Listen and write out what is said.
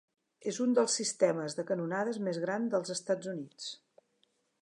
És un dels sistemes de canonades més gran dels Estats Units.